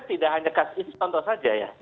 tidak hanya kasus itu contoh saja ya